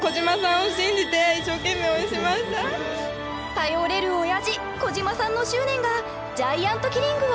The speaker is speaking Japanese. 頼れるオヤジ小島さんの執念がジャイアントキリングを起こしました。